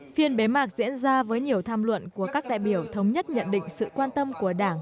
phiên bế mạc diễn ra với nhiều tham luận của các đại biểu thống nhất nhận định sự quan tâm của đảng